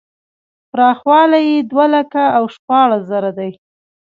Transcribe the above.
پراخوالی یې دوه لکه او شپاړس زره دی.